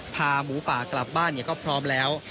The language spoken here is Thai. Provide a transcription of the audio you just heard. หมูป่ากลับบ้านก็พร้อมแล้ว